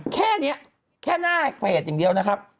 แค่นี้แค่หน้าเฟสอย่างเดียวนะครับ